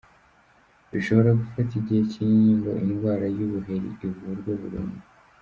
Bishobora gufata igihe kinini ngo indwara y’ubuheri ivurwe burundu.